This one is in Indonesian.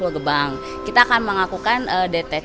juga pemeriksaan alkohol menggunakan alkohol respirator